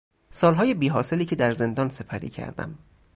سالهای بیحاصلی که در زندان سپری کردم